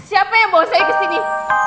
siapa yang bawa saya kesini